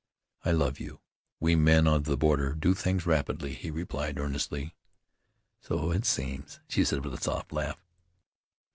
"I love you. We men of the border do things rapidly," he replied earnestly. "So it seems," she said with a soft laugh.